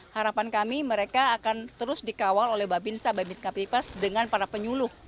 harapan kami mereka akan terus dikawal oleh babinsa babin kapipas dengan para penyuluh